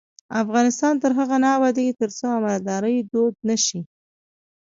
افغانستان تر هغو نه ابادیږي، ترڅو امانتداري دود نشي.